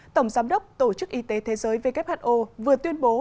tổng giám đốc tổ chức y tế thế giới who vừa tuyên bố